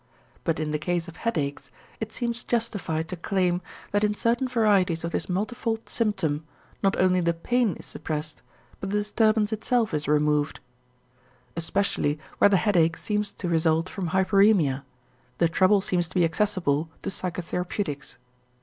But in the case of headaches, it seems justified to claim that in certain varieties of this multifold symptom, not only the pain is suppressed but the disturbance itself is removed. Especially where the headache seems to result from hyperæmia, the trouble seems to be accessible to psychotherapeutics.